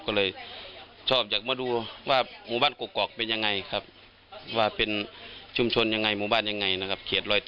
ก็เลยชอบอยากมาดูว่าหมู่บ้านกรกกรอกเป็นยังไงครับ